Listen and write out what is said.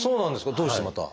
どうしてまた。